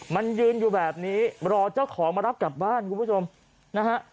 มันยืนอยู่แบบนี้รอเจ้าของมารับกลับบ้านคุณผู้ชมนะฮะ